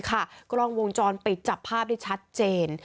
กล้องวงจรปิดจับภาพได้ชัดเจน